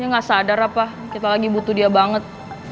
ini gak sadar apa kita lagi butuh dia banget